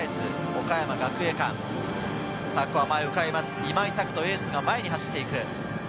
今井拓人、エースが前に走っていく。